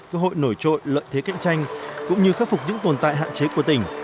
cơ hội nổi trội lợi thế cạnh tranh cũng như khắc phục những tồn tại hạn chế của tỉnh